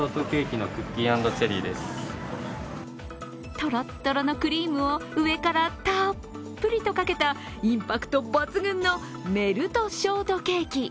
とろっとろのクリームを上からたっぷりとかけたインパクト抜群のメルトショートケーキ。